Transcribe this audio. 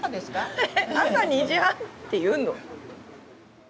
へへ朝２時半って言うの？